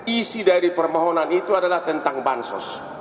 isi dari permohonan itu adalah tentang bansos